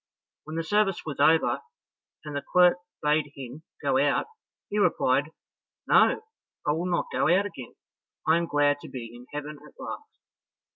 When the service was over, and the clerk bade him go out, he replied, "No, I will not go out again, I am glad to be in heaven at last."